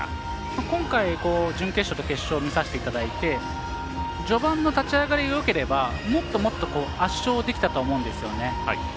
今回、準決勝と決勝を見させていただいて序盤の立ち上がりがよければもっともっと圧勝できたと思うんですよね。